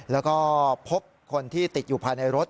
แล้วก็พบคนที่ติดอยู่ภายในรถ